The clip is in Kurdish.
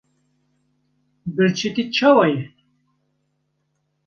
birçîtî çawa ye?